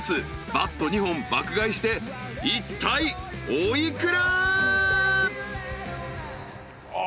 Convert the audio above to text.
バット２本爆買いしていったいお幾ら？］